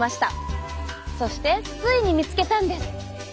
そしてついに見つけたんです。